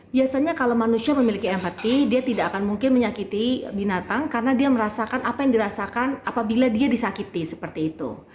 biasanya kalau manusia memiliki empati dia tidak akan mungkin menyakiti binatang karena dia merasakan apa yang dirasakan apabila dia disakiti seperti itu